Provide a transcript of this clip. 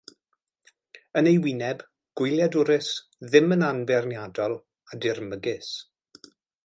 Yn ei wyneb: gwyliadwrus, ddim yn anfeirniadol, a dirmygus.